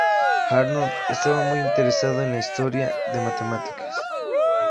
Arnold estaba muy interesado en la historia de matemáticas.